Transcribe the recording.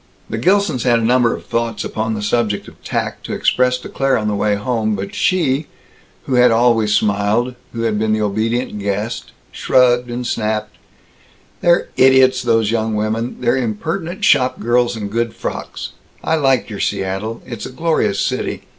The Gilsons had a number of thoughts upon the subject of tact to express to Claire on the way home. But she, who had always smiled, who had been the obedient guest, shrugged and snapped, "They're idiots, those young women. They're impertinent shopgirls in good frocks. I like your Seattle. It's a glorious city.